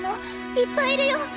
いっぱいいるよ！